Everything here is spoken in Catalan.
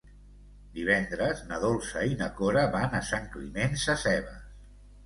Divendres na Dolça i na Cora van a Sant Climent Sescebes.